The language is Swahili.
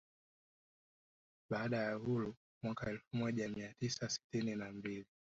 Baada ya uhuru mwaka elfu moja mia tisa sitini na mbili